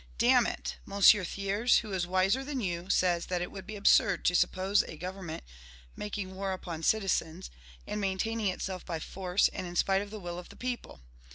"Damn it! M. Thiers, who is wiser than you, says that it would be absurd to suppose a government making war upon citizens, and maintaining itself by force and in spite of the will of the people.